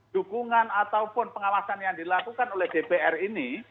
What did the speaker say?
dukungan ataupun pengawasan yang dilakukan oleh dpr ini